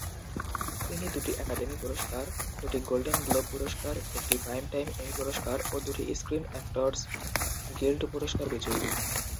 তিনি দুটি একাডেমি পুরস্কার, দুটি গোল্ডেন গ্লোব পুরস্কার, একটি প্রাইমটাইম এমি পুরস্কার ও দুটি স্ক্রিন অ্যাক্টরস গিল্ড পুরস্কার বিজয়ী।